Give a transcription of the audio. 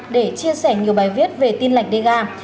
để chia sẻ nhiều bài viết về tin lệnh dega